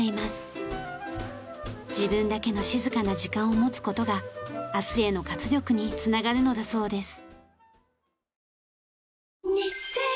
自分だけの静かな時間を持つ事が明日への活力につながるのだそうです。